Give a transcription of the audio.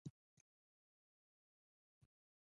په دوو پښو تګ ځینې نیمګړتیاوې هم لري.